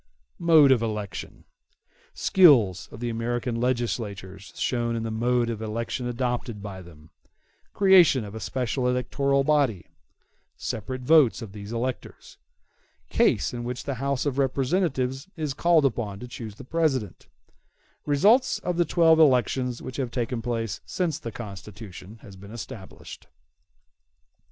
Mode Of Election Skill of the American legislators shown in the mode of election adopted by them—Creation of a special electoral body—Separate votes of these electors—Case in which the House of Representatives is called upon to choose the President—Results of the twelve elections which have taken place since the Constitution has been established.